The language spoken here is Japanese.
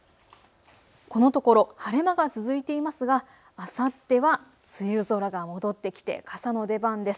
このところ晴れ間が続いていますがあさっては梅雨空が戻ってきて傘の出番です。